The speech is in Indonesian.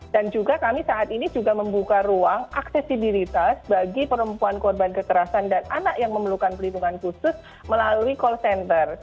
dan juga kami saat ini juga membuka ruang aksesibilitas bagi perempuan korban kekerasan dan anak yang memerlukan perlindungan khusus melalui call center